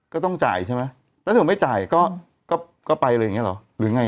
ก็ต้องจ่ายใช่ไหมแล้วเธอไม่จ่ายก็ก็ไปอะไรอย่างเงี้เหรอหรือไง